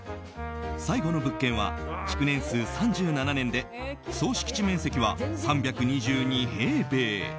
最後の物件は、築年数３７年で総敷地面積は３２２平米。